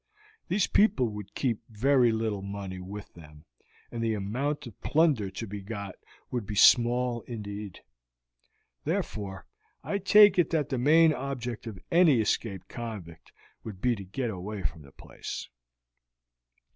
These people would keep very little money with them, and the amount of plunder to be got would be small indeed. Therefore, I take it that the main object of any escaped convict would be to get away from the place.